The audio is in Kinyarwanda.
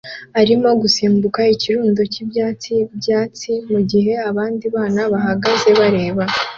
arimo gusimbuka ikirundo cyibyatsi byatsi mugihe abandi bana bahagaze bareba